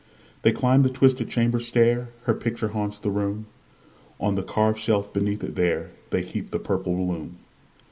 They climb the twisted chamber stair; Her picture haunts the room; On the carved shelf beneath it there, They heap the purple bloom.